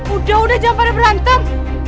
udah udah jangan pada berantem